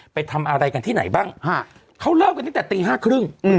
ไปทำอะไรกันที่ไหนบ้างฮะเขาเลิกกันตั้งแต่ตีห้าครึ่ง